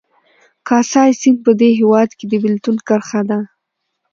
کاسای سیند په دې هېواد کې د بېلتون کرښه ده